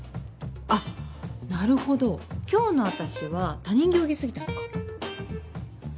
あっなるほど今日の私は他人行儀すぎたのか。